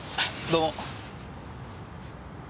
どうも。